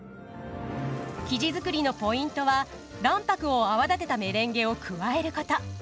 生地作りのポイントは卵白を泡立てたメレンゲを加えること。